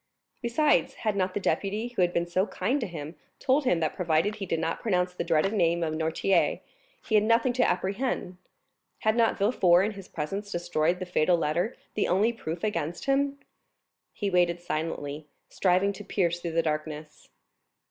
Besides, had not the deputy, who had been so kind to him, told him that provided he did not pronounce the dreaded name of Noirtier, he had nothing to apprehend? Had not Villefort in his presence destroyed the fatal letter, the only proof against him? He waited silently, striving to pierce through the darkness.